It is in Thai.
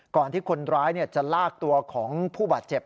ก่อนที่คนร้ายจะลากตัวของผู้บาดเจ็บ